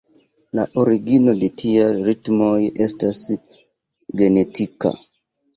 La origino de tiaj ritmoj estas genetika.